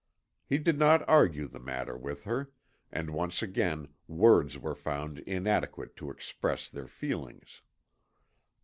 He did not argue the matter with her, and once again words were found inadequate to express their feelings.